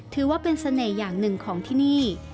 ถือว่าเป็นเสน่ห์อย่างหนึ่งของที่นี่